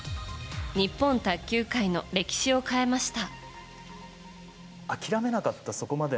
日本卓球界の歴史を変えました。